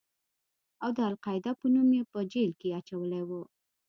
او د القاعده په نوم يې په جېل کښې اچولى و.